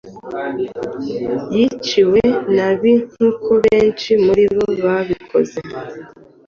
Yiciwe nabinkuko benshi muribo babikoze